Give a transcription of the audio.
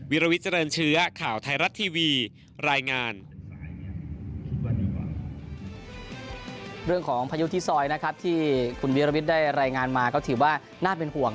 วิราวิทย์เจริญเชื้อข่าวไทยรัฐทีวีรายงาน